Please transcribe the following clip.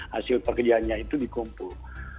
hasil pekerjaannya itu dikumpul